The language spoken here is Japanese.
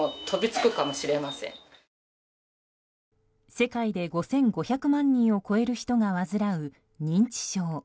世界で５５００万人を超える人が患う認知症。